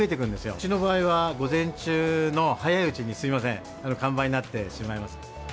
うちの場合は午前中の早いうちに、すみません、完売になってしまいます。